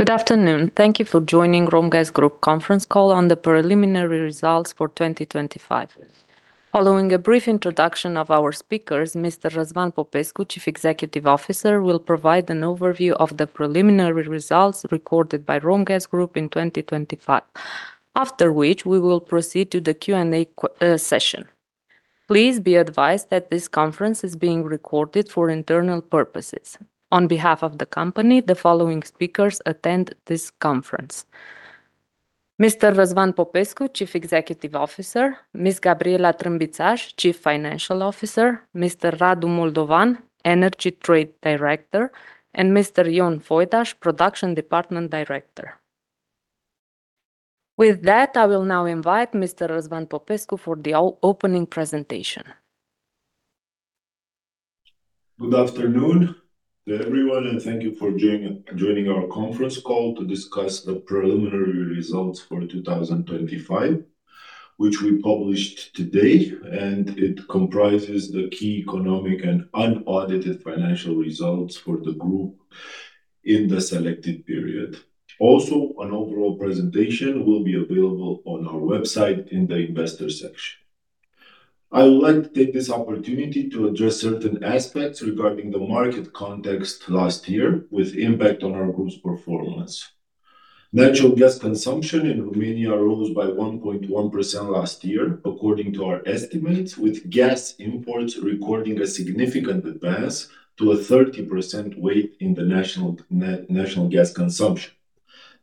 Good afternoon. Thank you for joining Romgaz Group Conference Call on the Preliminary Results for 2025. Following a brief introduction of our speakers, Mr. Răzvan Popescu, Chief Executive Officer, will provide an overview of the preliminary results recorded by Romgaz Group in 2025, after which we will proceed to the Q&A session. Please be advised that this conference is being recorded for internal purposes. On behalf of the company, the following speakers attend this conference: Mr. Răzvan Popescu, Chief Executive Officer; Ms. Gabriela Trâmbițaș, Chief Financial Officer; Mr. Radu Moldovan, Energy Trade Director; and Mr. Ion Foidaș, Production Department Director. With that, I will now invite Mr. Răzvan Popescu for the opening presentation. Good afternoon to everyone, thank you for joining our conference call to discuss the preliminary results for 2025, which we published today, it comprises the key economic and unaudited financial results for the group in the selected period. An overall presentation will be available on our website in the Investor section. I would like to take this opportunity to address certain aspects regarding the market context last year with impact on our group's performance. Natural gas consumption in Romania rose by 1.1% last year, according to our estimates, with gas imports recording a significant advance to a 30% weight in the national gas consumption.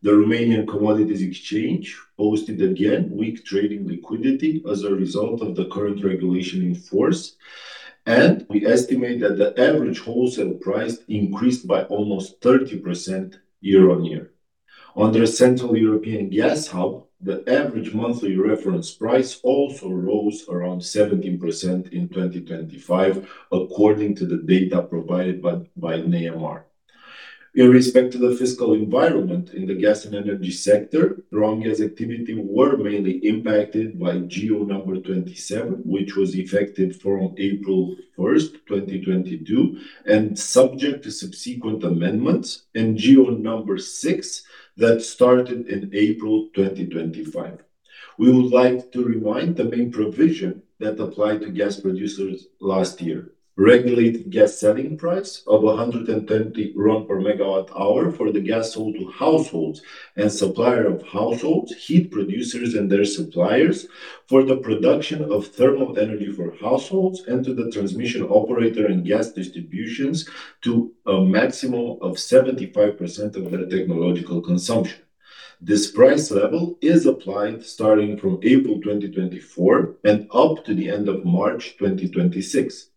The Romanian Commodities Exchange posted again weak trading liquidity as a result of the current regulation in force, we estimate that the average wholesale price increased by almost 30% year-over-year. On the Central European Gas Hub, the average monthly reference price also rose around 17% in 2025, according to the data provided by ANRE. In respect to the fiscal environment in the gas and energy sector, Romgaz activity were mainly impacted by GEO no. 27, which was effective from 1st April 2022, and subject to subsequent amendments, and GEO no. 6 that started in April 2025. We would like to remind the main provision that applied to gas producers last year. Regulated gas selling price of RON 120 per MWh for the gas sold to households and supplier of households, heat producers and their suppliers for the production of thermal energy for households, and to the transmission operator and gas distributions to a maximum of 75% of their technological consumption. This price level is applied starting from April 2024 and up to the end of March 2026.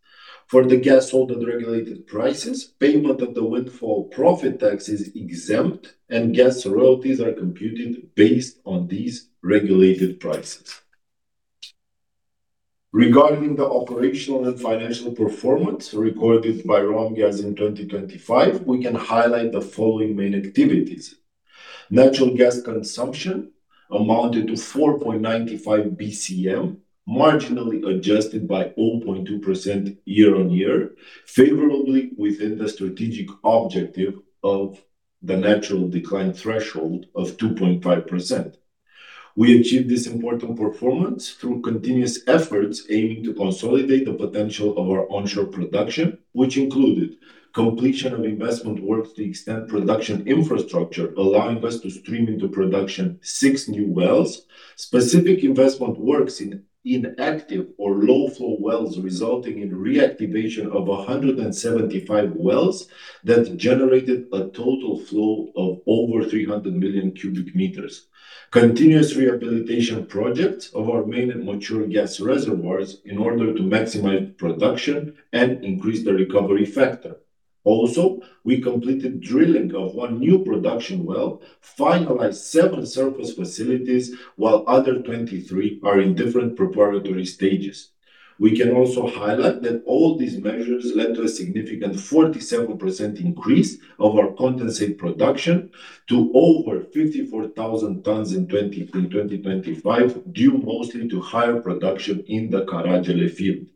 For the gas sold at regulated prices, payment of the windfall profit tax is exempt, and gas royalties are computed based on these regulated prices. Regarding the operational and financial performance recorded by Romgaz in 2025, we can highlight the following main activities. Natural gas consumption amounted to 4.95 BCM, marginally adjusted by 0.2% year-on-year, favorably within the strategic objective of the natural decline threshold of 2.5%. We achieved this important performance through continuous efforts aiming to consolidate the potential of our onshore production, which included completion of investment works to extend production infrastructure, allowing us to stream into production six new wells. Specific investment works in inactive or low-flow wells, resulting in reactivation of 175 wells that generated a total flow of over 300 million cubic meters. Continuous rehabilitation projects of our main and mature gas reservoirs in order to maximize production and increase the recovery factor. We completed drilling of one new production well, finalized seven surface facilities, while other 23 are in different preparatory stages. We can also highlight that all these measures led to a significant 47% increase of our condensate production to over 54,000 tons in 2025, due mostly to higher production in the Caragele field.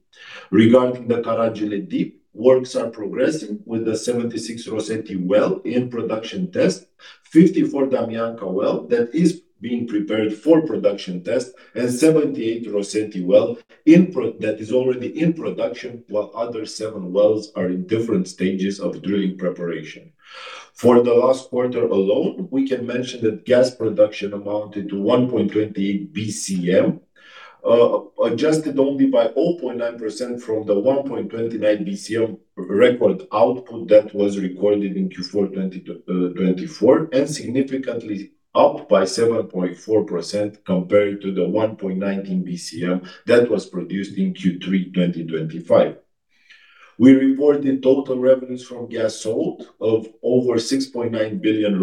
Regarding the Caragele Deep, works are progressing with the 76 Rosetti well in production test, 54 Damianca well that is being prepared for production test, and 78 Rosetti well that is already in production, while other seven wells are in different stages of drilling preparation. For the last quarter alone, we can mention that gas production amounted to 1.28 BCM, adjusted only by 0.9% from the 1.29 BCM record output that was recorded in Q4 2024, and significantly up by 7.4% compared to the 1.19 BCM that was produced in Q3 2025. We reported total revenues from gas sold of over RON 6.9 billion,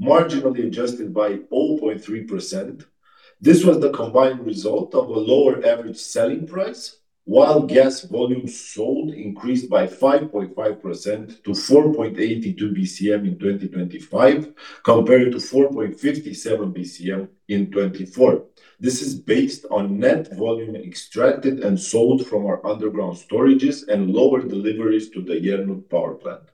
marginally adjusted by 0.3%. This was the combined result of a lower average selling price, while gas volume sold increased by 5.5% to 4.82 BCM in 2025, compared to 4.57 BCM in 2024. This is based on net volume extracted and sold from our underground storages and lower deliveries to the Iernut power plant.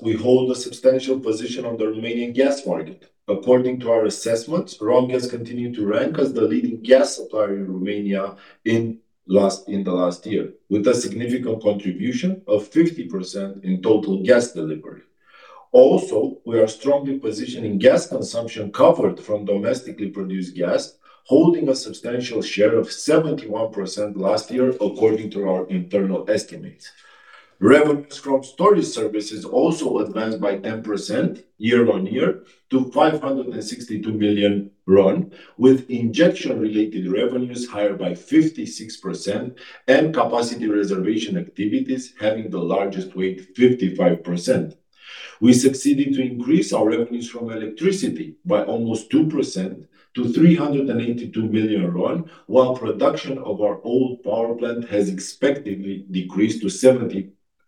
We hold a substantial position on the Romanian gas market. According to our assessments, Romgaz continued to rank as the leading gas supplier in Romania in the last year, with a significant contribution of 50% in total gas delivery. We are strongly positioning gas consumption covered from domestically produced gas, holding a substantial share of 71% last year, according to our internal estimates. Revenues from storage services advanced by 10% year-on-year to RON 562 million, with injection-related revenues higher by 56% and capacity reservation activities having the largest weight, 55%. We succeeded to increase our revenues from electricity by almost 2% to RON 382 million, while production of our old power plant has expectedly decreased to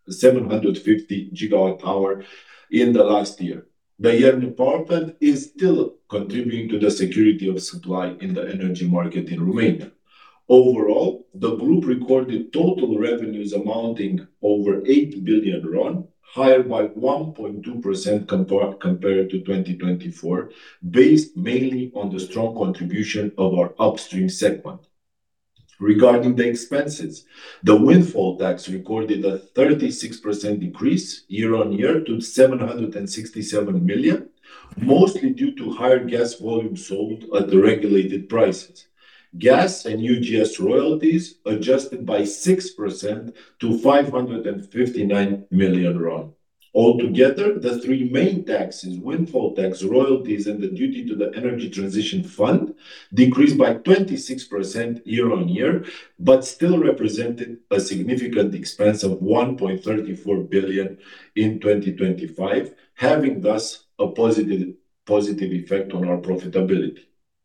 7,750 GWh in the last year. The Iernut power plant is still contributing to the security of supply in the energy market in Romania. The group recorded total revenues amounting over RON 8 billion, higher by 1.2% compared to 2024, based mainly on the strong contribution of our upstream segment. Regarding the expenses, the windfall tax recorded a 36% decrease year-on-year to RON 767 million, mostly due to higher gas volume sold at the regulated prices. Gas and UGS royalties adjusted by 6% to RON 559 million. The three main taxes: windfall tax, royalties, and the duty to the Energy Transition Fund, decreased by 26% year-on-year, but still represented a significant expense of RON 1.34 billion in 2025, having thus a positive effect on our profitability.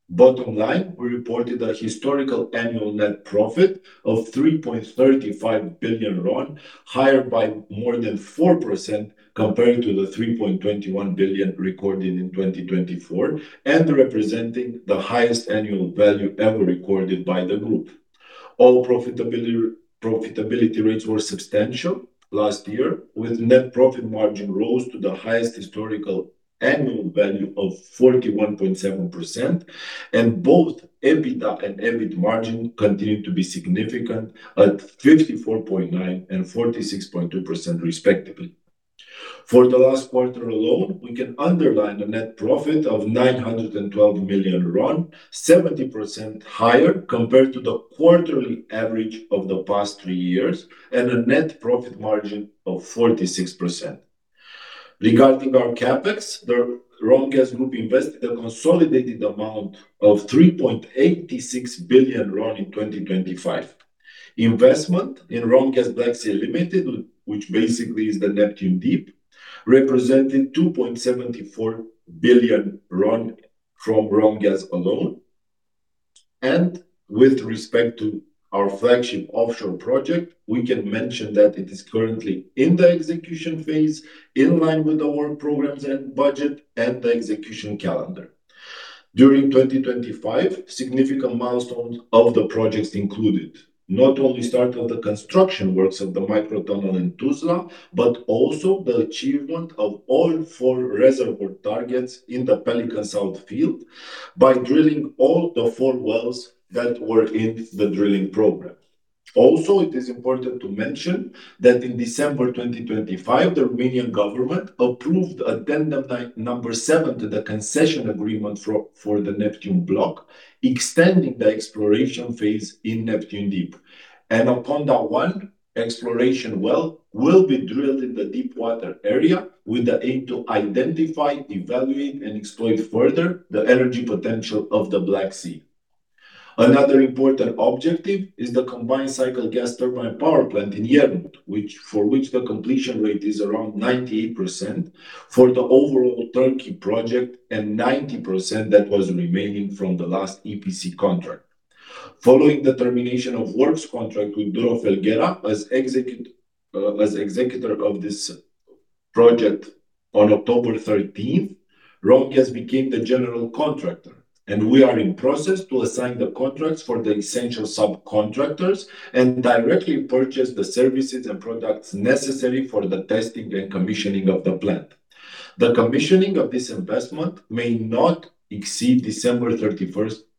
Bottom line, we reported a historical annual net profit of RON 3.35 billion, higher by more than 4% compared to the RON 3.21 billion recorded in 2024, and representing the highest annual value ever recorded by the group. All profitability rates were substantial last year, with net profit margin rose to the highest historical annual value of 41.7%, and both EBITDA and EBIT margin continued to be significant at 54.9% and 46.2%, respectively. For the last quarter alone, we can underline a net profit of RON 912 million, 70% higher compared to the quarterly average of the past three years, and a net profit margin of 46%. Regarding our CapEx, the Romgaz Group invested a consolidated amount of RON 3.86 billion in 2025. Investment in Romgaz Black Sea Limited, which basically is the Neptun Deep, represented RON 2.74 billion from Romgaz alone. With respect to our flagship offshore project, we can mention that it is currently in the execution phase, in line with our programs and budget and the execution calendar. During 2025, significant milestones of the projects included not only start of the construction works of the microtunnel in Tuzla, but also the achievement of all four reservoir targets in the Pelican South field by drilling all the four wells that were in the drilling program. It is important to mention that in December 2025, the Romanian government approved Addendum Number Seven to the concession agreement for the Neptun block, extending the exploration phase in Neptun Deep. And upon the one exploration well will be drilled in the deep water area with the aim to identify, evaluate, and exploit further the energy potential of the Black Sea. Another important objective is the combined cycle gas turbine power plant in Iernut, for which the completion rate is around 98% for the overall turnkey project and 90% that was remaining from the last EPC contract. Following the termination of works contract with Duro Felguera as executor of this project on 13th October, Romgaz became the general contractor. We are in process to assign the contracts for the essential subcontractors and directly purchase the services and products necessary for the testing and commissioning of the plant. The commissioning of this investment may not exceed 31st December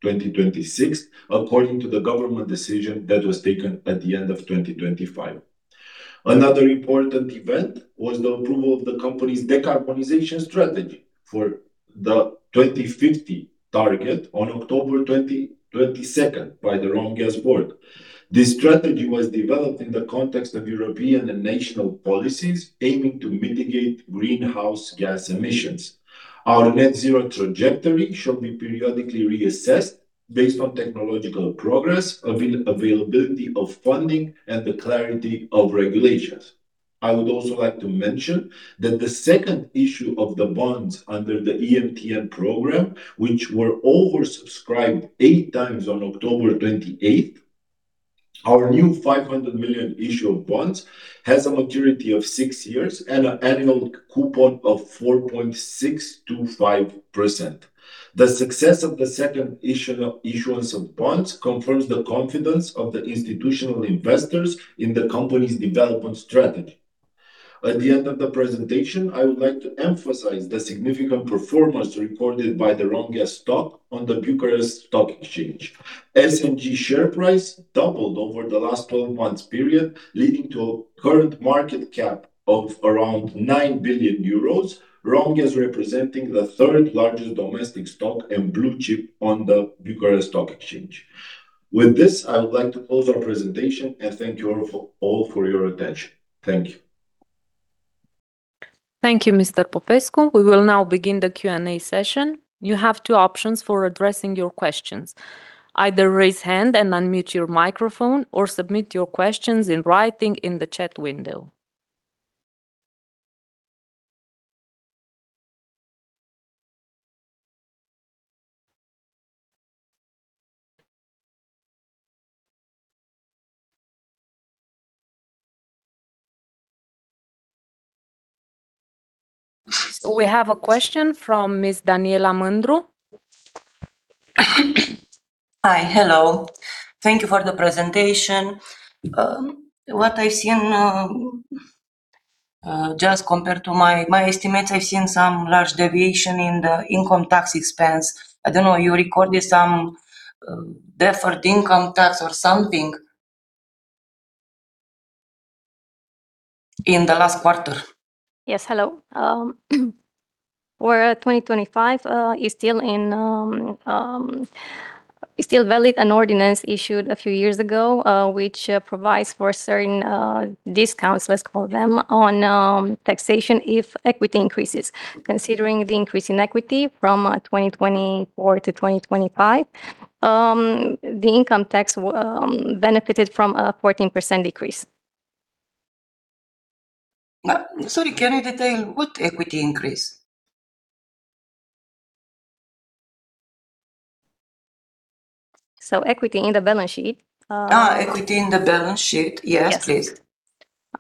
2026, according to the government decision that was taken at the end of 2025. Another important event was the approval of the company's decarbonization strategy for the 2050 target on 22nd October by the Romgaz board. This strategy was developed in the context of European and national policies aiming to mitigate greenhouse gas emissions. Our net zero trajectory shall be periodically reassessed based on technological progress, availability of funding, and the clarity of regulations. I would also like to mention that the second issue of the bonds under the EMTN program, which were oversubscribed eight times on October 28th, our new 500 million issue of bonds has a maturity of six years and an annual coupon of 4.625%. The success of the second issuance of bonds confirms the confidence of the institutional investors in the company's development strategy. At the end of the presentation, I would like to emphasize the significant performance recorded by the Romgaz stock on the Bucharest Stock Exchange. SNG share price doubled over the last 12 months period, leading to a current market cap of around 9 billion euros, Romgaz representing the third largest domestic stock and blue chip on the Bucharest Stock Exchange. With this, I would like to close our presentation, thank you all for your attention. Thank you. Thank you, Mr. Popescu. We will now begin the Q&A session. You have two options for addressing your questions: either raise hand and unmute your microphone or submit your questions in writing in the chat window. We have a question from Ms. Daniela Mândru. Hi. Hello. Thank you for the presentation. What I've seen, just compared to my estimates, I've seen some large deviation in the income tax expense. I don't know, you recorded some deferred income tax or something in the last quarter? Yes, hello. For 2025, it's still valid, an ordinance issued a few years ago, which provides for certain discounts, let's call them, on taxation if equity increases. Considering the increase in equity from 2024 to 2025, the income tax benefited from a 14% decrease. Sorry, can you detail what equity increase? Equity in the balance sheet. Equity in the balance sheet. Yes. Yes, please.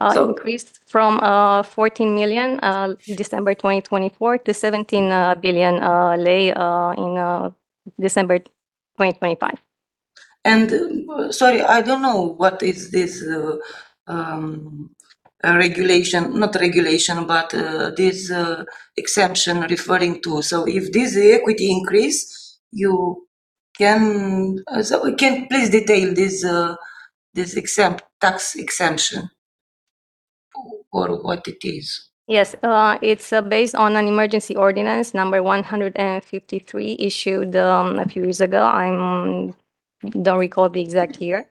increased from RON 14 million December 2024, to RON 17 billion in December 2025. Sorry, I don't know what is this regulation. Not regulation, but this exemption referring to. If this equity increase, you can. Can you please detail this tax exemption or what it is? Yes. It's based on an emergency ordinance, number 153, issued a few years ago. I don't recall the exact year.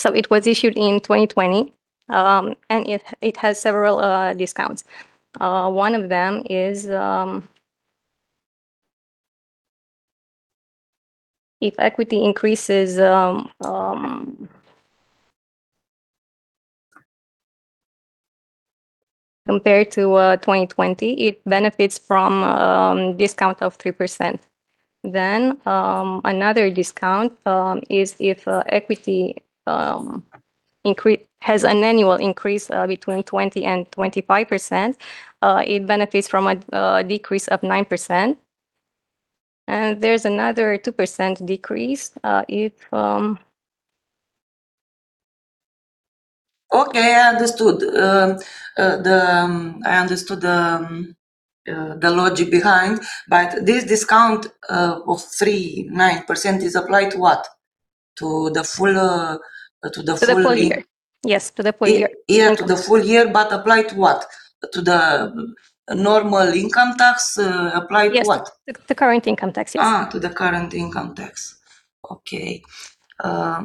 Just a second. It was issued in 2020, and it has several discounts. One of them is if equity increases compared to 2020, it benefits from discount of 3%. Another discount is if equity has an annual increase between 20% and 25%, it benefits from a decrease of 9%, and there's another 2% decrease if. Okay, I understood. I understood the logic behind, but this discount of 3.9% is applied to what? To the full year? To the full year. Yes, to the full-year. Yeah, to the full-year, but applied to what? To the normal income tax, applied to what? Yes, the current income tax, yes. To the current income tax. Okay. I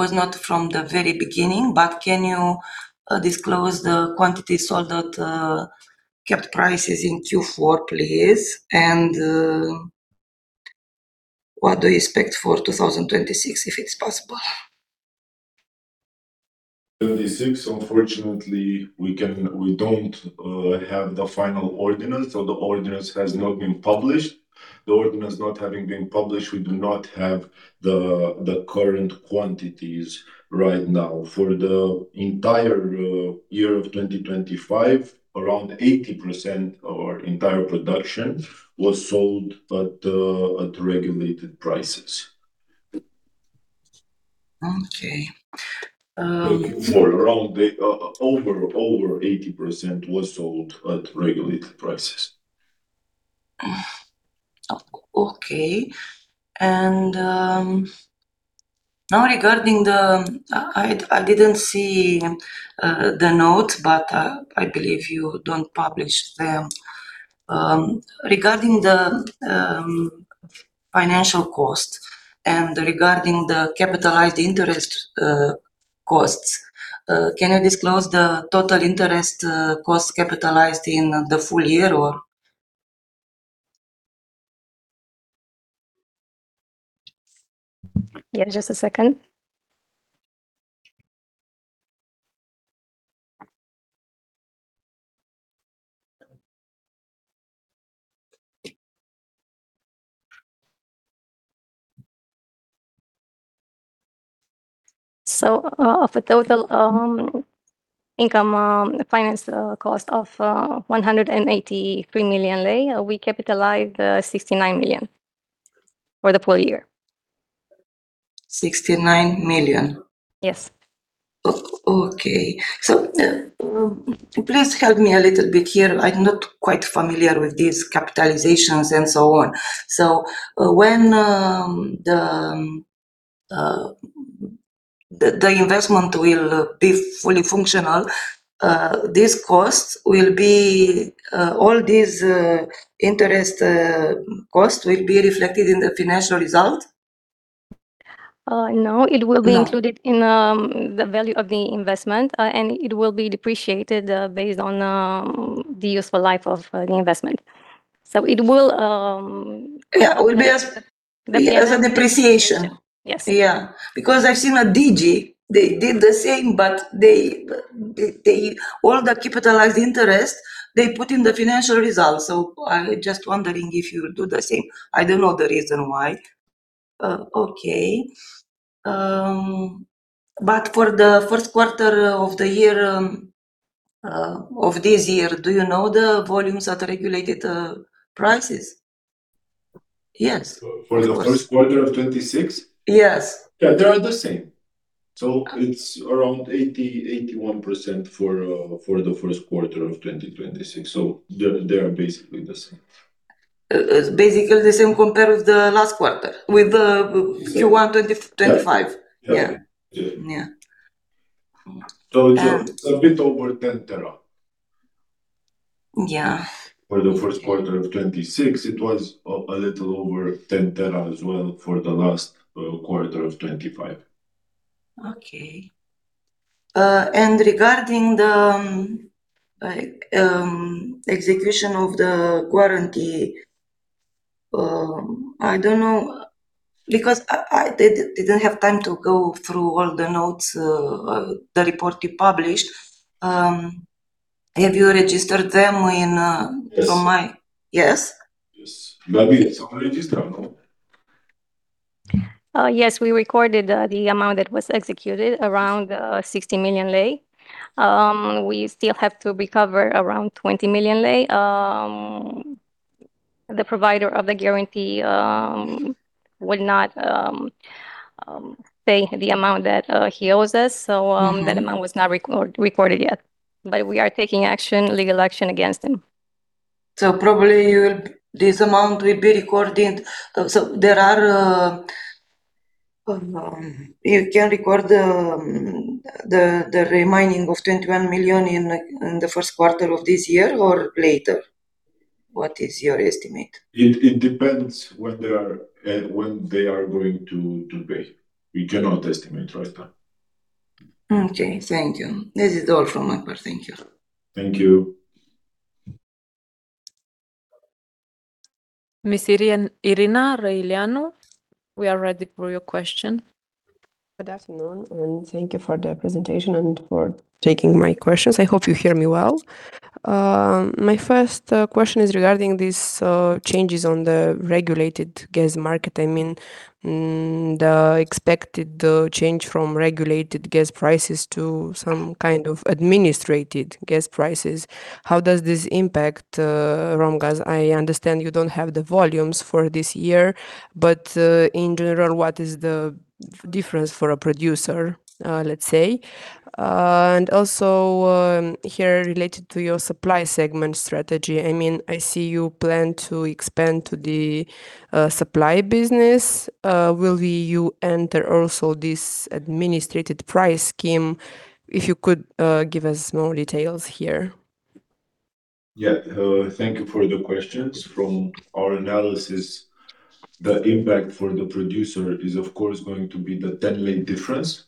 was not from the very beginning, but can you disclose the quantity sold at capped prices in Q4, please? What do you expect for 2026, if it's possible? 2026, unfortunately, we don't have the final ordinance, the ordinance has not been published. The ordinance not having been published, we do not have the current quantities right now. For the entire year of 2025, around 80% of our entire production was sold at regulated prices. Okay. For around the over 80% was sold at regulated prices. Okay. Now regarding the I didn't see the notes, but I believe you don't publish them. Regarding the financial cost and regarding the capitalized interest costs, can you disclose the total interest costs capitalized in the full year or? Yeah, just a second. Of a total income finance cost of RON 183 million, we capitalize RON 69 million for the full year. RON 69 million? Yes. Okay. Please help me a little bit here. I'm not quite familiar with these capitalizations, and so on. When the investment will be fully functional, this cost will be all these interest cost will be reflected in the financial result? No. No. It will be included in the value of the investment, and it will be depreciated based on the useful life of the investment. It will. Yeah, it will be as a depreciation. Yes. Yeah. I've seen at DG, they did the same, but they All the capitalized interest, they put in the financial results. I'm just wondering if you do the same. I don't know the reason why. Okay. For the first quarter of the year, of this year, do you know the volumes at regulated prices? Yes, of course. For the first quarter of 2026? Yes. Yeah, they are the same. It's around 80%-81% for the first quarter of 2026. They are basically the same. Basically the same compared with the last quarter, with the Q1 2025. Yeah. Yeah. Yeah. Yeah. It's a bit over 10 tera. Yeah. For the first quarter of 2026, it was a little over 10 tera as well for the last quarter of 2025. Okay. regarding the, like, execution of the guarantee, I don't know, because I didn't have time to go through all the notes, the report you published. have you registered them in. Yes. Yes? Yes. Gabi, it's on the register, no? Yes, we recorded the amount that was executed, around RON 60 million. We still have to recover around RON 20 million. The provider of the guarantee will not pay the amount that he owes us that amount was not recorded yet. We are taking action, legal action against him. This amount will be recorded. There are, you can record the remaining of RON 21 million in the first quarter of this year or later? What is your estimate? It depends when they are going to pay. We cannot estimate right now. Okay, thank you. This is all from my part. Thank you. Thank you. Miss Irina Răileanu, we are ready for your question. Good afternoon, thank you for the presentation and for taking my questions. I hope you hear me well. My first question is regarding these changes on the regulated gas market. I mean, expected the change from regulated gas prices to some kind of administrated gas prices. How does this impact Romgaz? I understand you don't have the volumes for this year, but in general, what is the difference for a producer, let's say? Here, related to your supply segment strategy, I mean, I see you plan to expand to the supply business. Will you enter also this administrated price scheme? If you could give us more details here. Yeah. Thank you for the questions. From our analysis, the impact for the producer is, of course, going to be the 10 lei difference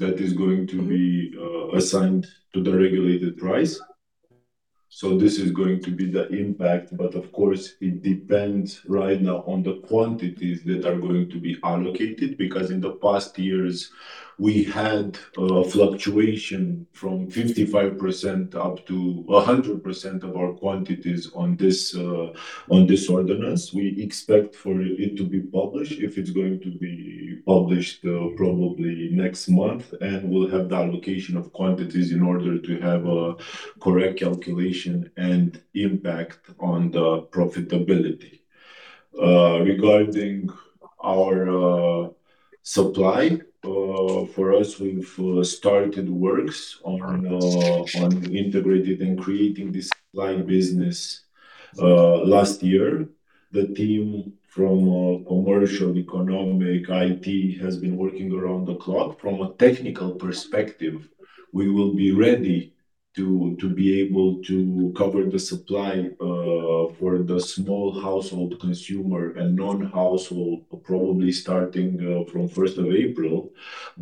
assigned to the regulated price. This is going to be the impact, but of course, it depends right now on the quantities that are going to be allocated, because in the past years, we had fluctuation from 55% up to 100% of our quantities on this on this ordinance. We expect for it to be published, if it's going to be published, probably next month, and we'll have the allocation of quantities in order to have a correct calculation and impact on the profitability. Regarding our supply, for us, we've started works on on integrated and creating this line business. Last year, the team from commercial, economic, IT has been working around the clock. From a technical perspective, we will be ready to be able to cover the supply for the small household consumer and non-household, probably starting from first of April.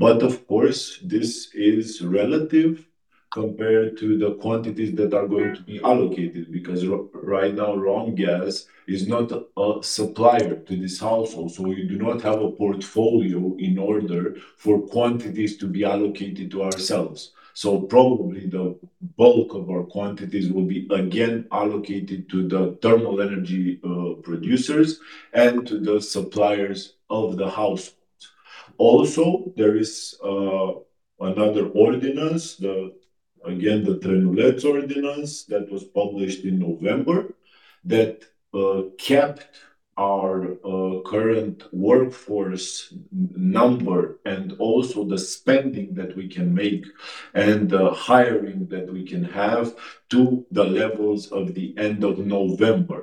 Of course, this is relative compared to the quantities that are going to be allocated, because right now, Romgaz is not a supplier to this household, so we do not have a portfolio in order for quantities to be allocated to ourselves. Probably the bulk of our quantities will be again allocated to the thermal energy producers and to the suppliers of the household. There is another ordinance, again, the Trenuleț Ordinance that was published in November, that capped our current workforce number, and also the spending that we can make, and the hiring that we can have to the levels of the end of November.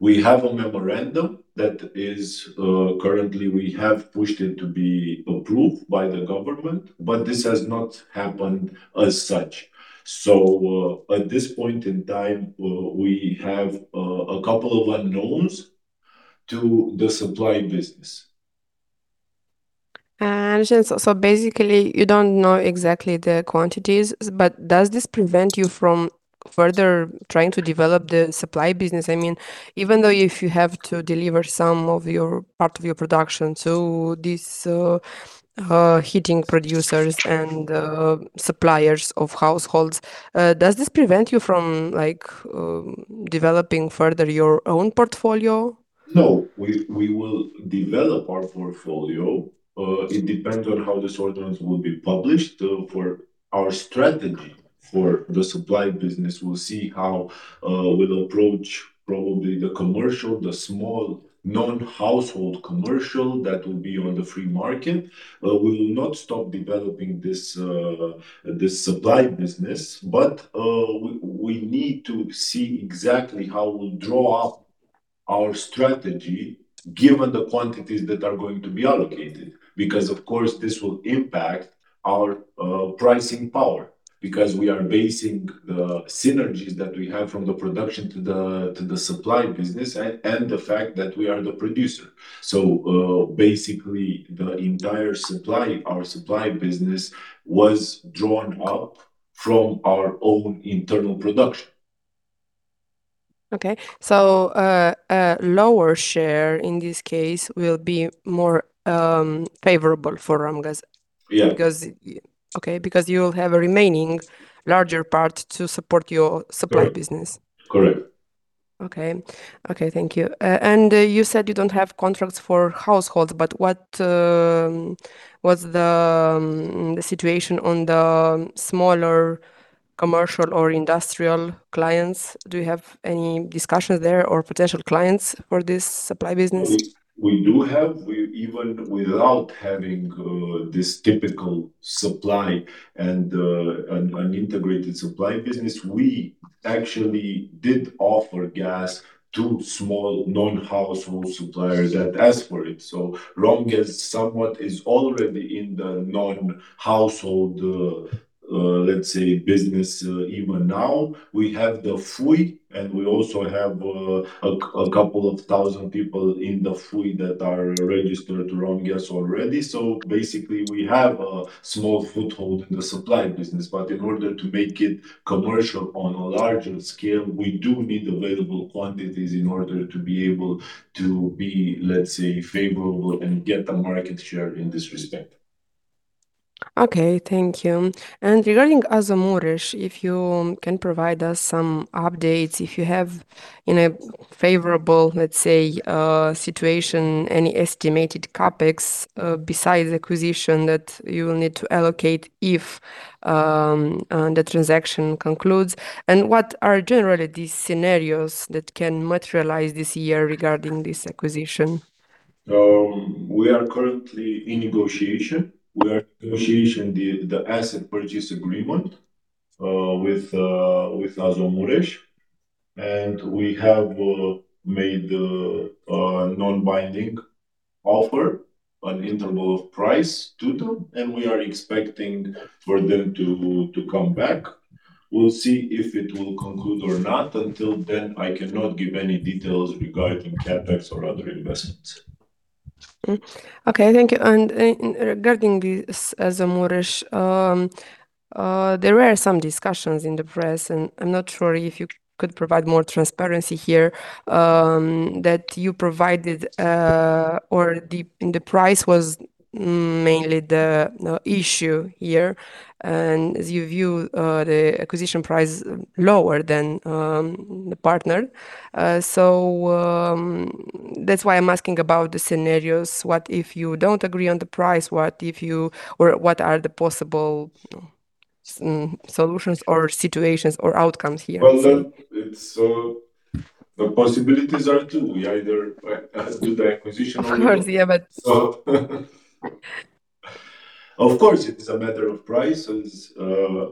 We have a memorandum that is currently we have pushed it to be approved by the government, but this has not happened as such. At this point in time, we have a couple of unknowns to the supply business. Basically, you don't know exactly the quantities, does this prevent you from further trying to develop the supply business? I mean, even though if you have to deliver some of your part of your production to these heating producers and suppliers of households, does this prevent you from like, developing further your own portfolio? We will develop our portfolio. It depends on how this ordinance will be published. For our strategy for the supply business, we'll see how we'll approach probably the commercial, the small non-household commercial that will be on the free market. We will not stop developing this supply business, but we need to see exactly how we'll draw up our strategy, given the quantities that are going to be allocated, because, of course, this will impact our pricing power, because we are basing the synergies that we have from the production to the supply business and the fact that we are the producer. Basically, the entire supply, our supply business was drawn up from our own internal production. Okay. A lower share in this case will be more favorable for Romgaz? Yeah. Because you'll have a remaining larger part to support your supply business. Correct. Okay. Okay, thank you. You said you don't have contracts for households, but what was the situation on the smaller commercial or industrial clients? Do you have any discussions there or potential clients for this supply business? We do have. Even without having this typical supply and an integrated supply business, we actually did offer gas to small non-household suppliers that asked for it. Romgaz somewhat is already in the non-household, let's say, business even now. We have the FUI, and we also have 2,000 people in the FUI that are registered to Romgaz already. Basically, we have a small foothold in the supply business, but in order to make it commercial on a larger scale, we do need available quantities in order to be able to be, let's say, favorable and get a market share in this respect. Okay, thank you. Regarding Azomureș, if you can provide us some updates, if you have in a favorable, let's say, situation, any estimated CapEx, besides acquisition that you will need to allocate if the transaction concludes? What are generally the scenarios that can materialize this year regarding this acquisition? We are currently in negotiation. We are in negotiation the asset purchase agreement, with Azomureș, we have made a non-binding offer, an interval of price to them, we are expecting for them to come back. We'll see if it will conclude or not. Until then, I cannot give any details regarding CapEx or other investments. Okay, thank you. Regarding this Azomureș, there were some discussions in the press, I'm not sure if you could provide more transparency here, that you provided, or the price was mainly the issue here, as you view, the acquisition price lower than the partner. That's why I'm asking about the scenarios. What if you don't agree on the price? What if you or what are the possible solutions or situations or outcomes here? Well, it's the possibilities are two: We either do the acquisition or not. Of course, yeah. Of course, it is a matter of price. As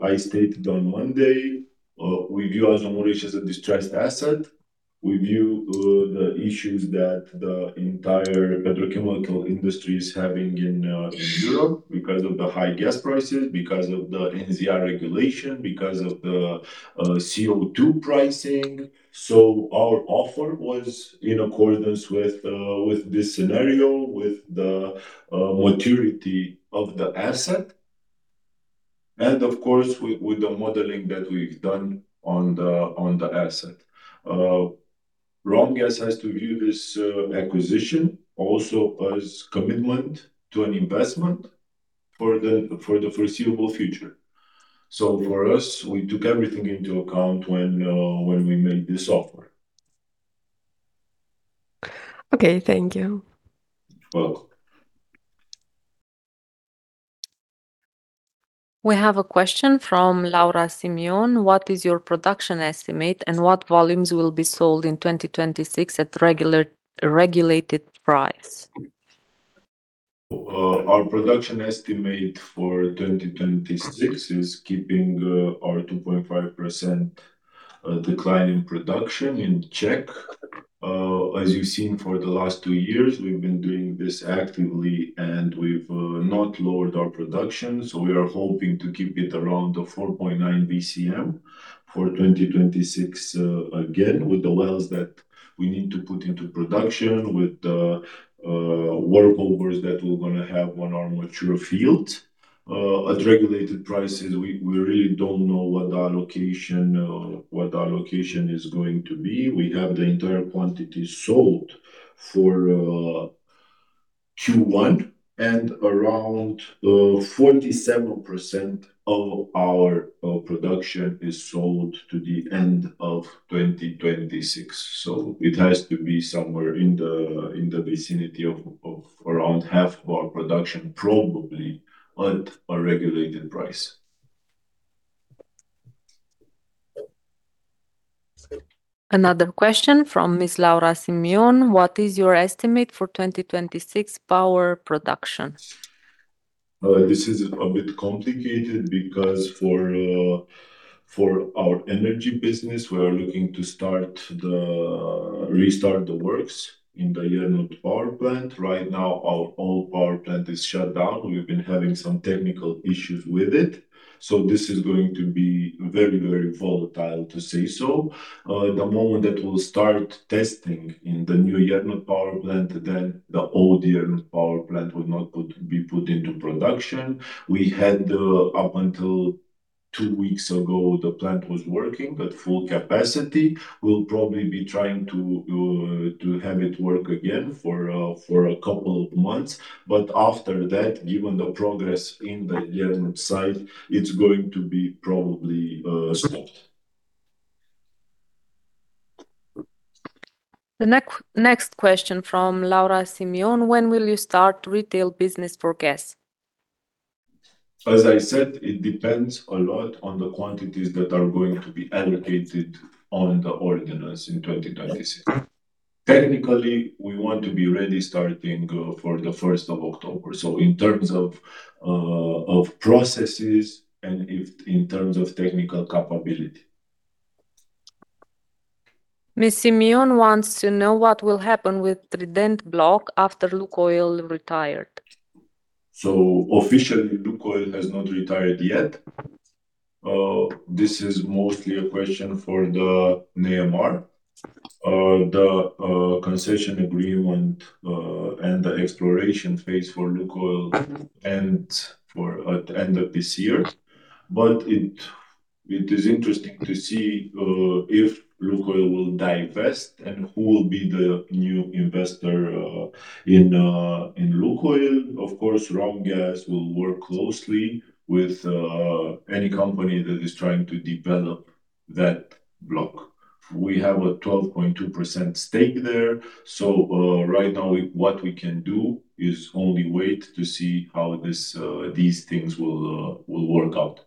I stated on Monday, we view Azomureș as a distressed asset. We view the issues that the entire petrochemical industry is having in Europe because of the high gas prices, because of the NZIA regulation, because of the CO2 pricing. Our offer was in accordance with this scenario, with the maturity of the asset. Of course, with the modeling that we've done on the asset. Romgaz has to view this acquisition also as commitment to an investment for the foreseeable future. For us, we took everything into account when we made this offer. Okay, thank you. Welcome. We have a question from Laura Simion: What is your production estimate, and what volumes will be sold in 2026 at regulated price? Our production estimate for 2026 is keeping our 2.5% decline in production in check. As you've seen for the last two years, we've been doing this actively, and we've not lowered our production, so we are hoping to keep it around the 4.9 BCM for 2026, again, with the wells that we need to put into production with the workovers that we're gonna have on our mature fields. At regulated prices, we really don't know what the allocation, what the allocation is going to be. We have the entire quantity sold for Q1, and around 47% of our production is sold to the end of 2026. It has to be somewhere in the, in the vicinity of around half of our production, probably, at a regulated price. Another question from Ms. Laura Simion: What is your estimate for 2026 power production? This is a bit complicated because for our energy business, we are looking to restart the works in the Iernut Power Plant. Right now, our old power plant is shut down. We've been having some technical issues with it, so this is going to be very, very volatile, to say so. The moment that we'll start testing in the new Iernut Power Plant, the old Iernut Power Plant would not be put into production. We had, up until two weeks ago, the plant was working at full capacity. We'll probably be trying to have it work again for a couple of months. After that, given the progress in the Iernut site, it's going to be probably stopped. The next question from Laura Simion: When will you start retail business for gas? As I said, it depends a lot on the quantities that are going to be allocated on the ordinance in 2026. Technically, we want to be ready starting, for the 1st of October, so in terms of processes and if in terms of technical capability. Ms. Simion wants to know what will happen with Trident block after LUKOIL retired. Officially, LUKOIL has not retired yet. This is mostly a question for the ANRE. The concession agreement and the exploration phase for LUKOIL end for, at end of this year. It is interesting to see if LUKOIL will divest and who will be the new investor in LUKOIL. Of course, Romgaz will work closely with any company that is trying to develop that block. We have a 12.2% stake there, so, right now, what we can do is only wait to see how these things will work out.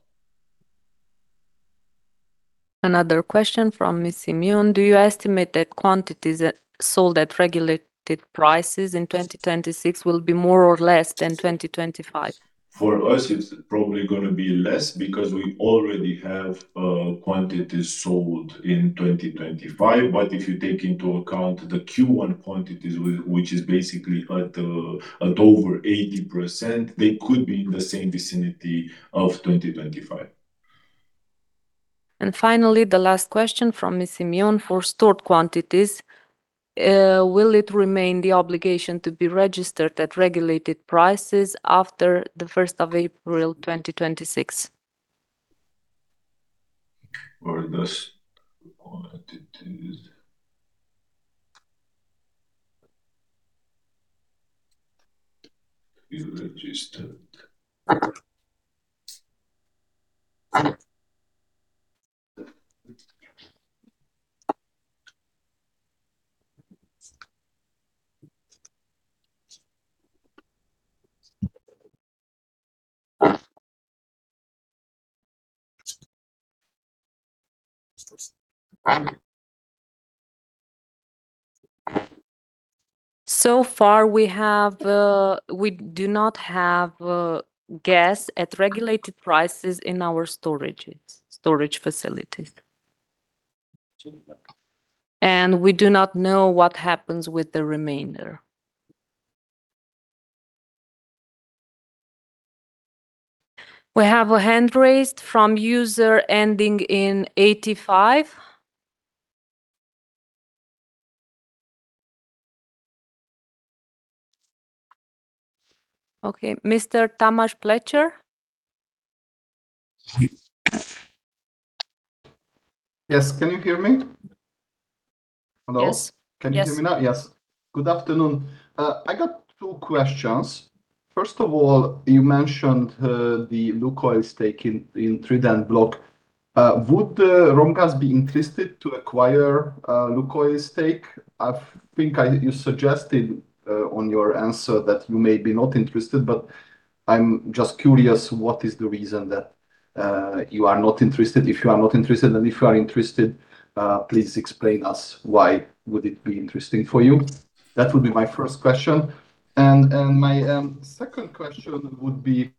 Another question from Ms. Simion: Do you estimate that quantities that sold at regulated prices in 2026 will be more or less than 2025? For us, it's probably gonna be less because we already have quantities sold in 2025. If you take into account the Q1 quantities, which is basically at over 80%, they could be in the same vicinity of 2025. Finally, the last question from Ms. Simion: For stored quantities, will it remain the obligation to be registered at regulated prices after the first of April, 2026? Does quantities be registered? So far, we have, we do not have gas at regulated prices in our storages, storage facilities. We do not know what happens with the remainder. We have a hand raised from user ending in 85. Okay, Mr. Tamas Pletser? Yes, can you hear me? Hello? Yes. Can you hear me now? Yes. Good afternoon. I got two questions. First of all, you mentioned the LUKOIL stake in Trident block. Would Romgaz be interested to acquire LUKOIL stake? I think you suggested on your answer that you may be not interested, but I'm just curious, what is the reason that you are not interested, if you are not interested? If you are interested, please explain us why would it be interesting for you? That would be my first question. My second question would be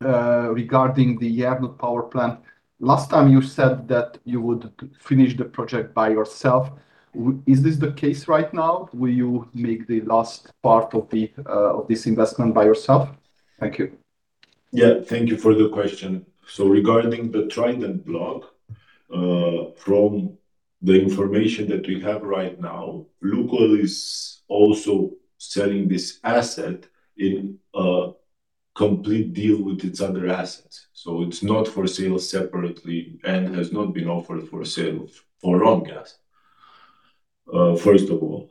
regarding the Iernut Power Plant. Last time you said that you would finish the project by yourself, is this the case right now? Will you make the last part of this investment by yourself? Thank you. Yeah, thank you for the question. Regarding the Trident Block, from the information that we have right now, LUKOIL is also selling this asset in a complete deal with its other assets. It's not for sale separately and has not been offered for sale for Romgaz, first of all.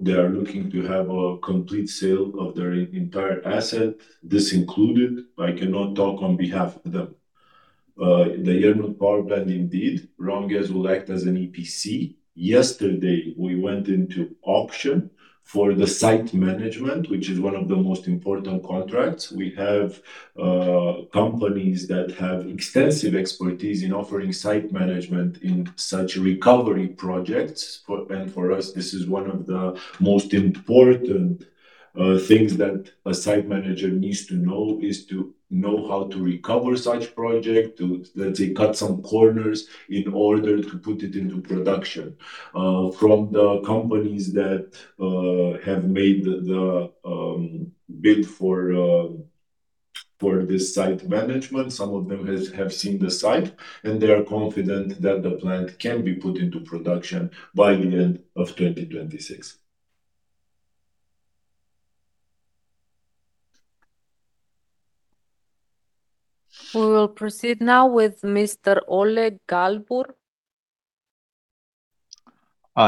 They are looking to have a complete sale of their entire asset, this included, I cannot talk on behalf of them. The Iernut Power Plant, indeed, Romgaz will act as an EPC. Yesterday, we went into auction for the site management, which is one of the most important contracts. We have companies that have extensive expertise in offering site management in such recovery projects. For us, this is one of the most important things that a site manager needs to know, is to know how to recover such project, to, let's say, cut some corners in order to put it into production. From the companies that have made the bid for this site management, some of them have seen the site, and they are confident that the plant can be put into production by the end of 2026. We will proceed now with Mr. Oleg Galbur.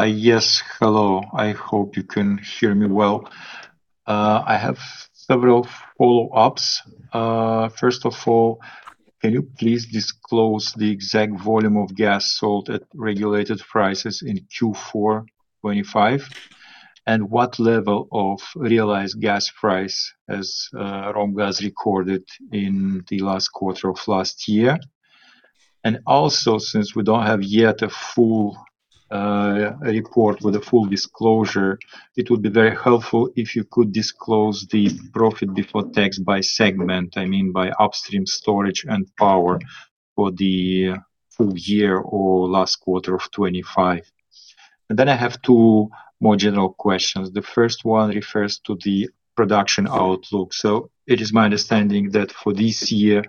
Yes, hello. I hope you can hear me well. I have several follow-ups. First of all, can you please disclose the exact volume of gas sold at regulated prices in Q4 2025, and what level of realized gas price has Romgaz recorded in the last quarter of last year? Also, since we don't have yet a full report with a full disclosure, it would be very helpful if you could disclose the profit before tax by segment, I mean by upstream storage and power for the full year or last quarter of 2025. Then I have two more general questions. The first one refers to the production outlook. It is my understanding that for this year,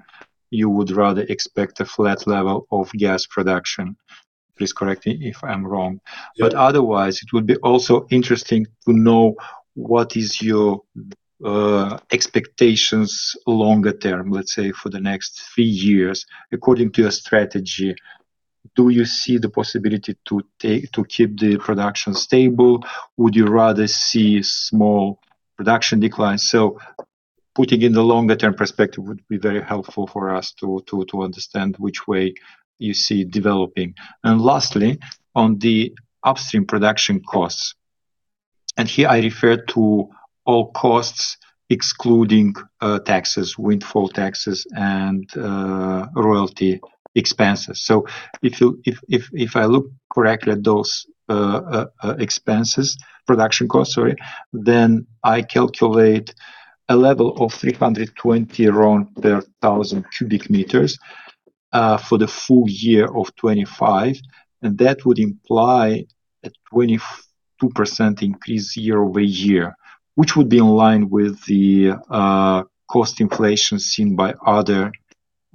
you would rather expect a flat level of gas production. Please correct me if I'm wrong. Yeah. Otherwise, it would be also interesting to know what is your expectations longer term, let's say, for the next three years, according to your strategy, do you see the possibility to keep the production stable? Would you rather see small production declines? Putting in the longer-term perspective would be very helpful for us to understand which way you see developing. Lastly, on the upstream production costs, and here I refer to all costs, excluding taxes, windfall taxes, and royalty expenses. If I look correctly at those expenses, production costs, sorry, then I calculate a level of 320 around there thousand cubic meters for the full year of 2025, and that would imply a 22% increase year-over-year, which would be in line with the cost inflation seen by other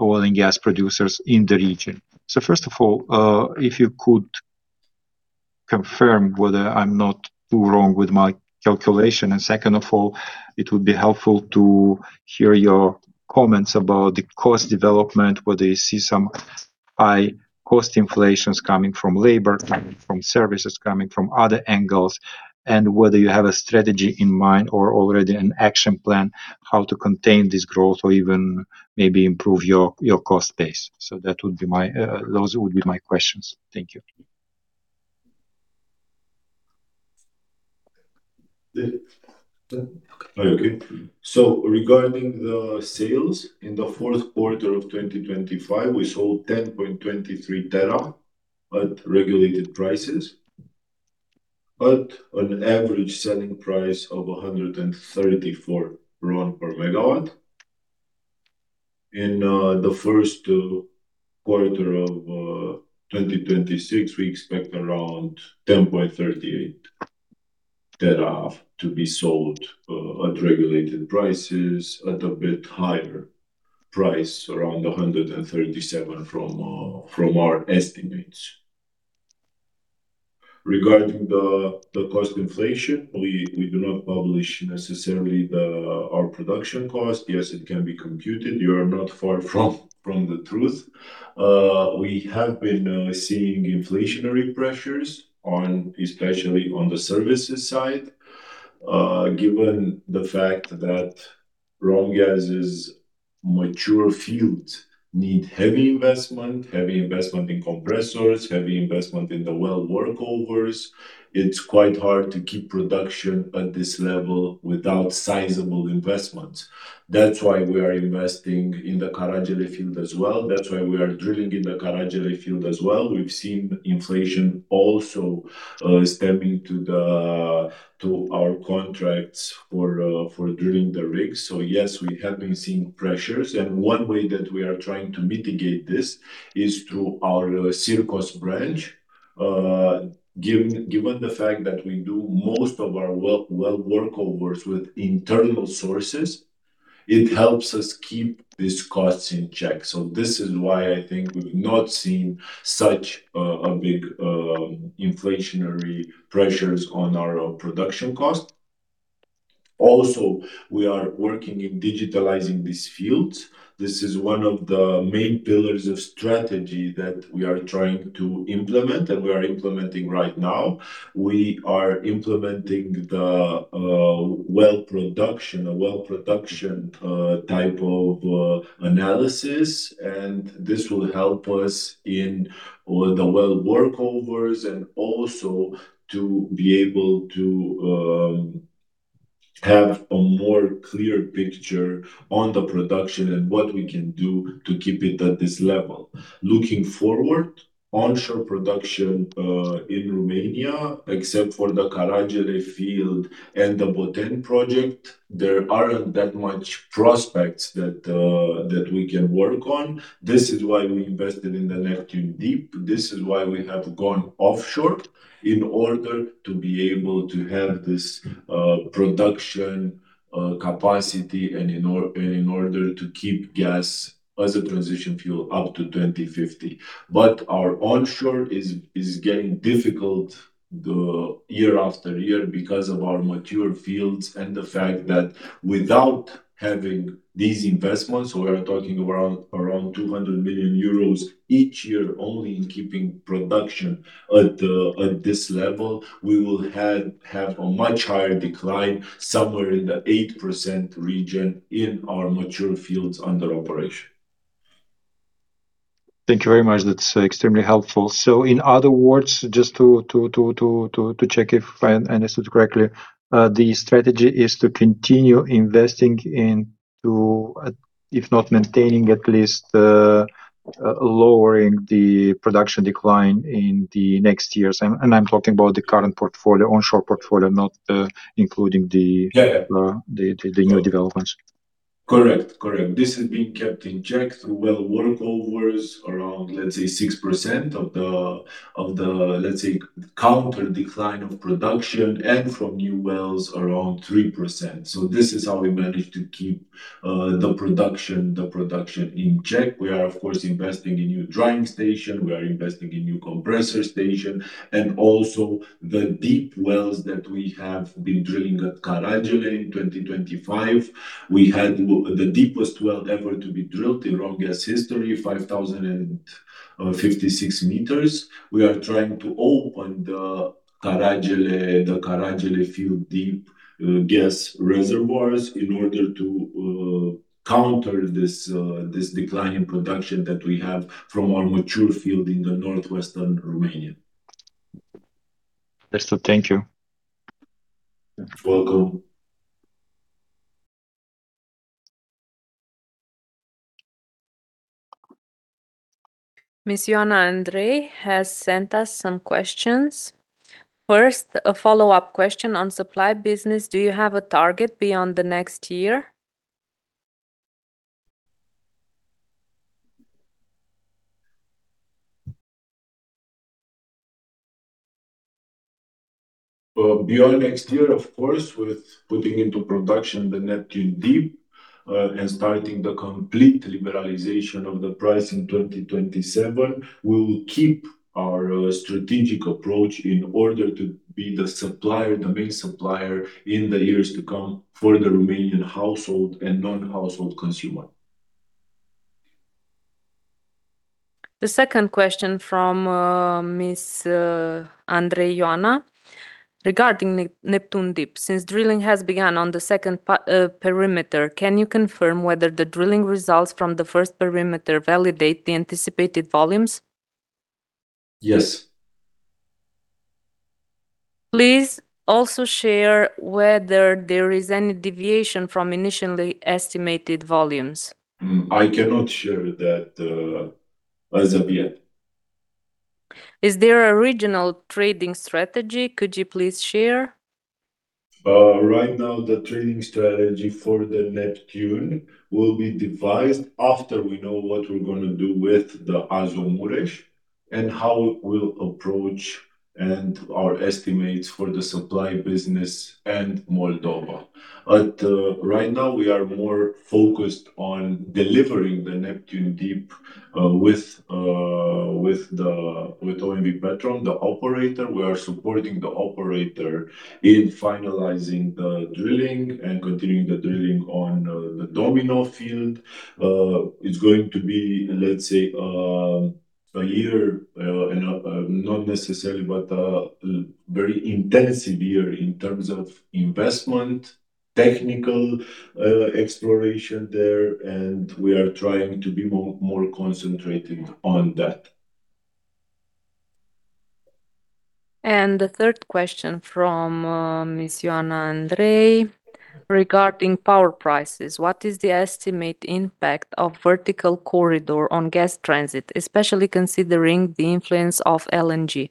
oil and gas producers in the region. First of all, if you could confirm whether I'm not too wrong with my calculation. Second of all, it would be helpful to hear your comments about the cost development, whether you see some high cost inflations coming from labor, coming from services, coming from other angles, and whether you have a strategy in mind or already an action plan, how to contain this growth or even maybe improve your cost base. That would be my, those would be my questions. Thank you. Okay. Regarding the sales, in the fourth quarter of 2025, we sold 10.23 tera at regulated prices, at an average selling price of RON 134 per MW. In the first quarter of 2026, we expect around 10.38 tera to be sold at regulated prices at a bit higher, price around RON 137 from our estimates. Regarding the cost inflation, we do not publish necessarily our production cost. Yes, it can be computed. You are not far from the truth. We have been seeing inflationary pressures especially on the services side. Given the fact that Romgaz's mature fields need heavy investment, heavy investment in compressors, heavy investment in the well workovers, it's quite hard to keep production at this level without sizable investments. That's why we are investing in the Caragele field as well. That's why we are drilling in the Caragele field as well. We've seen inflation also stemming to the, to our contracts for drilling the rigs. Yes, we have been seeing pressures, and one way that we are trying to mitigate this is through our SIRCOSS branch. Given the fact that we do most of our well workovers with internal sources, it helps us keep these costs in check. This is why I think we've not seen such a big inflationary pressures on our production cost. We are working in digitalizing these fields. This is one of the main pillars of strategy that we are trying to implement, and we are implementing right now. We are implementing the a well production type of analysis, and this will help us in all the well workovers and also to be able to have a more clear picture on the production and what we can do to keep it at this level. Looking forward, onshore production in Romania, except for the Caragele field and the Boteni project, there aren't that much prospects that we can work on. This is why we invested in the Neptun Deep. This is why we have gone offshore, in order to be able to have this production capacity, and in order to keep gas as a transition fuel up to 2050. Our onshore is getting difficult the year after year because of our mature fields and the fact that without having these investments, we are talking around 200 million euros each year, only in keeping production at this level, we will have a much higher decline, somewhere in the 8% region in our mature fields under operation. Thank you very much. That's extremely helpful. In other words, just to check if I understood correctly, the strategy is to continue investing in to if not maintaining, at least lowering the production decline in the next years. I'm talking about the current portfolio, onshore portfolio, not including. Yeah, yeah. The new developments. Correct. Correct. This is being kept in check through well workovers around, let's say, 6% of the, of the, let's say, counter decline of production, and from new wells, around 3%. This is how we manage to keep the production in check. We are, of course, investing in new drying station, we are investing in new compressor station, and also the deep wells that we have been drilling at Caragele in 2025. We had the deepest well ever to be drilled in Romgaz history, 5,056 meters. We are trying to open the Caragele field deep gas reservoirs in order to counter this decline in production that we have from our mature field in the northwestern Romania. That's all, thank you. You're welcome. Miss Ioana Andrei has sent us some questions. First, a follow-up question on supply business: Do you have a target beyond the next year? Beyond next year, of course, with putting into production the Neptun Deep, and starting the complete liberalization of the price in 2027, we will keep our strategic approach in order to be the supplier, the main supplier in the years to come for the Romanian household and non-household consumer. The second question from Miss Ioana Andrei: Regarding Neptun Deep, since drilling has begun on the second perimeter, can you confirm whether the drilling results from the first perimeter validate the anticipated volumes? Yes. Please also share whether there is any deviation from initially estimated volumes? I cannot share that as of yet. Is there a regional trading strategy? Could you please share? ding strategy for the Neptun will be devised after we know what we're going to do with Azomureș and how we will approach and our estimates for the supply business and Moldova. Right now, we are more focused on delivering the Neptun Deep with OMV Petrom, the operator. We are supporting the operator in finalizing the drilling and continuing the drilling on the Domino Field. It's going to be, let's say, a year, and not necessarily, but very intensive year in terms of investment, technical, exploration there, and we are trying to be more, more concentrated on that. The third question from Miss Ioana Andrei regarding power prices: What is the estimate impact of Vertical Corridor on gas transit, especially considering the influence of LNG?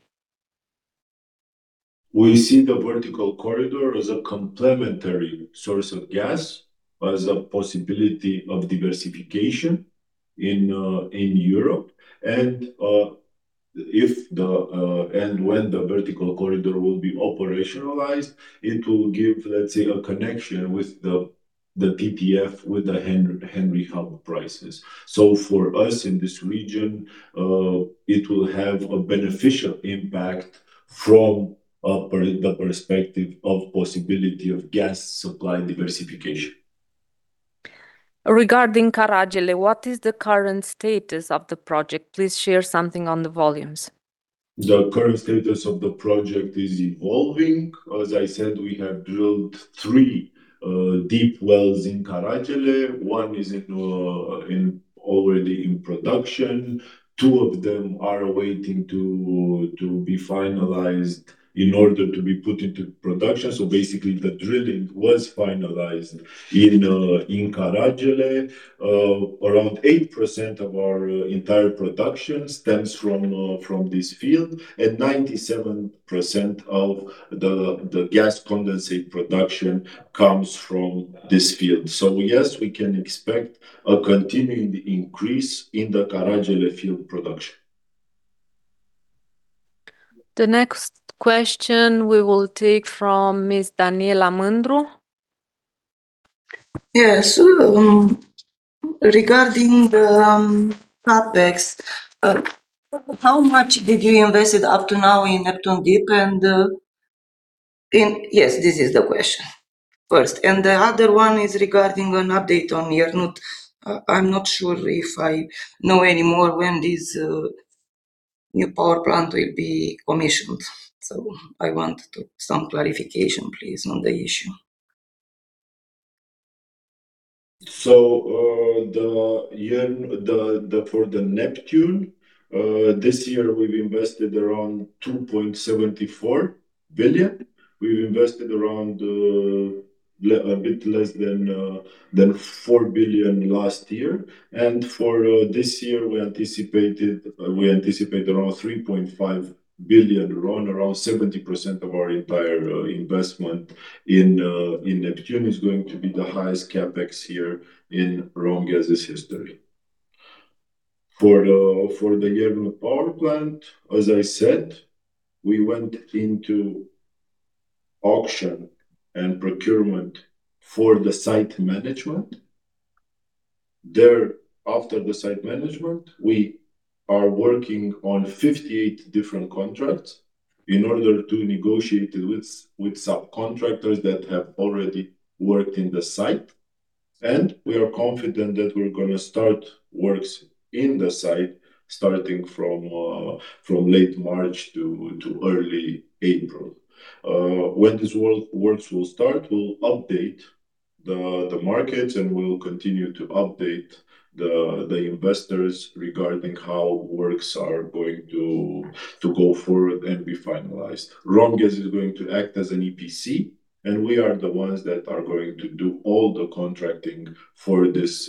We see the Vertical Corridor as a complementary source of gas, as a possibility of diversification in Europe. When the Vertical Corridor will be operationalized, it will give, let's say, a connection with the TTF, with the Henry Hub prices. For us, in this region, it will have a beneficial impact from the perspective of possibility of gas supply diversification. Regarding Caragele, what is the current status of the project? Please share something on the volumes. The current status of the project is evolving. As I said, we have drilled three deep wells in Caragele. One is in already in production. Two of them are waiting to be finalized in order to be put into production. Basically, the drilling was finalized in Caragele. Around 8% of our entire production stems from this field, and 97% of the gas condensate production comes from this field. Yes, we can expect a continuing increase in the Caragele field production. The next question we will take from Miss Daniela Mândru. Yes. Regarding the CapEx, how much did you invest up to now in Neptun Deep? Yes, this is the question first. The other one is regarding an update on Iernut. I'm not sure if I know any more when this new power plant will be commissioned. I want some clarification, please, on the issue. For the Neptun, this year we've invested around 2.74 billion. We've invested around a bit less than 4 billion last year. For this year, we anticipate around 3.5 billion, around 70% of our entire investment in Neptun is going to be the highest CapEx here in Romgaz's history. For the Iernut Power Plant, as I said, we went into auction and procurement for the site management. There, after the site management, we are working on 58 different contracts in order to negotiate with subcontractors that have already worked in the site. We are confident that we're gonna start works in the site, starting from late March to early April. When these works will start, we'll update the markets, and we'll continue to update the investors regarding how works are going to go forward and be finalized. Romgaz is going to act as an EPC, and we are the ones that are going to do all the contracting for this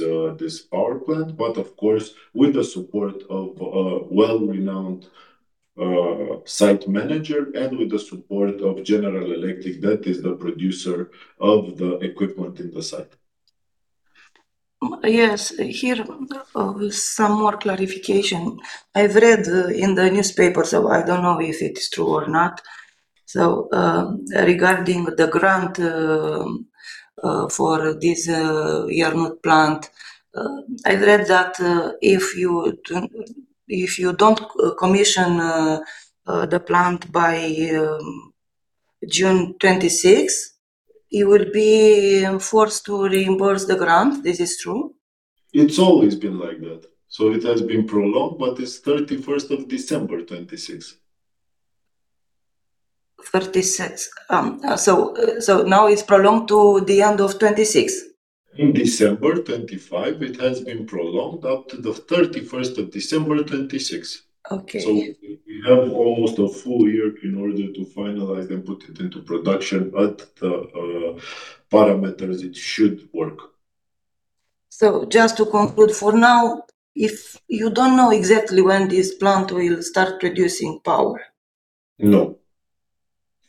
power plant, but of course, with the support of a well-renowned site manager and with the support of General Electric, that is the producer of the equipment in the site. Yes, here, some more clarification. I've read in the newspapers, so I don't know if it is true or not. Regarding the grant, for this Iernut plant, I read that if you don't commission, the plant by 26 June you will be forced to reimburse the grant. This is true? It's always been like that. It has been prolonged, but it's 31st of December, 2026. 36. now it's prolonged to the end of 2026? In December 2025, it has been prolonged up to the 31st of December, 2026. Okay. We have almost a full year in order to finalize and put it into production, but the parameters, it should work. Just to conclude, for now, if you don't know exactly when this plant will start producing power?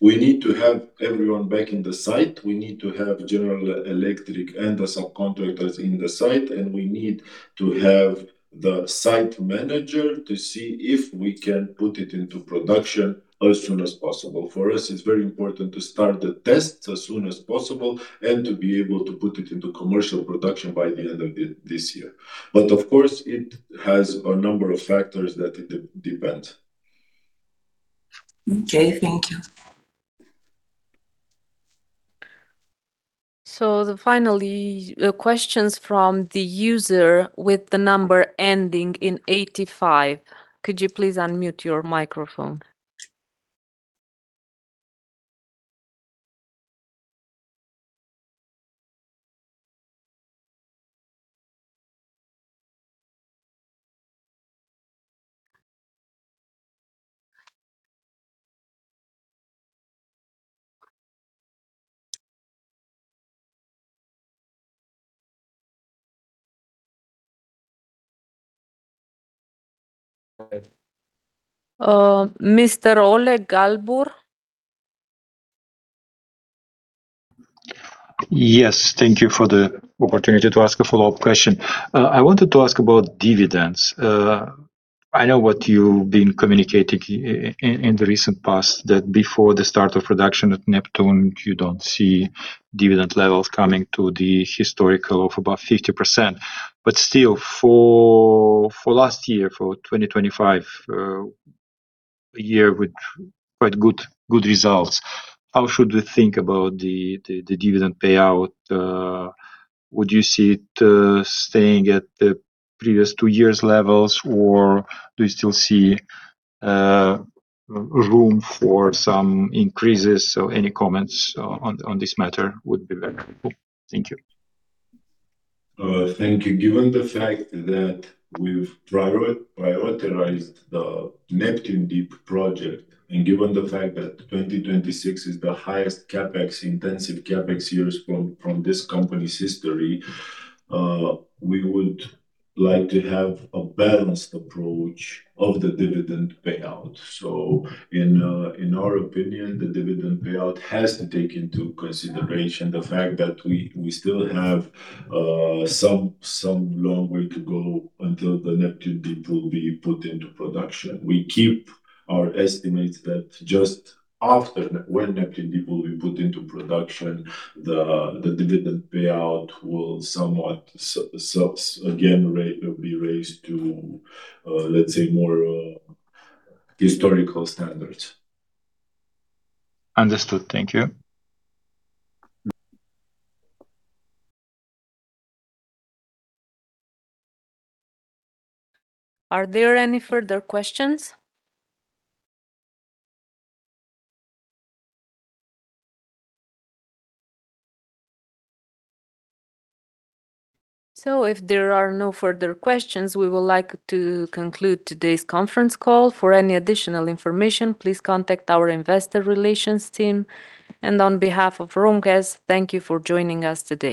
We need to have everyone back in the site. We need to have General Electric and the subcontractors in the site, and we need to have the site manager to see if we can put it into production as soon as possible. For us, it's very important to start the tests as soon as possible, and to be able to put it into commercial production by the end of this year. Of course, it has a number of factors that it depends. Okay, thank you. The finally, questions from the user with the number ending in 85. Could you please unmute your microphone? Mr. Oleg Galbur? Yes, thank you for the opportunity to ask a follow-up question. I wanted to ask about dividends. I know what you've been communicating in the recent past, that before the start of production at Neptun, you don't see dividend levels coming to the historical of about 50%. Still, for last year, for 2025, a year with quite good results, how should we think about the dividend payout? Would you see it staying at the previous 2 years' levels, or do you still see room for some increases? Any comments on this matter would be very helpful. Thank you. Thank you. Given the fact that we've prioritized the Neptun Deep project, and given the fact that 2026 is the highest CapEx, intensive CapEx years from this company's history, we would like to have a balanced approach of the dividend payout. In our opinion, the dividend payout has to take into consideration the fact that we still have some long way to go until the Neptun Deep will be put into production. We keep our estimates that just after when Neptun Deep will be put into production, the dividend payout will somewhat so again, will be raised to, let's say, more historical standards. Understood. Thank you. Are there any further questions? If there are no further questions, we would like to conclude today's conference call. For any additional information, please contact our investor relations team, and on behalf of Romgaz, thank you for joining us today.